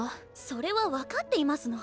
それは分かっていますの。